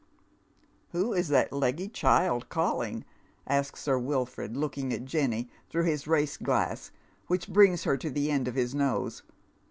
" Who is that leggy child calling? " asks Sir Wilford, looking at Jeimy through bis race glass, which brings her to the end of bis nose.